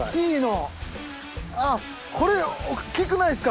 あっこれ大っきくないですか？